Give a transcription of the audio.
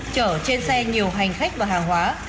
chở trên xe nhiều hành khách và hàng hóa